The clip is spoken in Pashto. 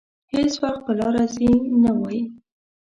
هېڅ وخت په لاره ځي نه وايي.